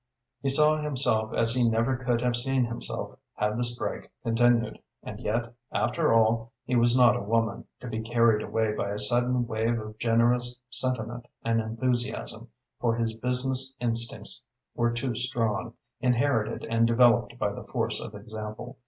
He saw himself as he never could have seen himself had the strike continued; and yet, after all, he was not a woman, to be carried away by a sudden wave of generous sentiment and enthusiasm, for his business instincts were too strong, inherited and developed by the force of example.